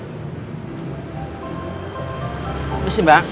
habis sih mbak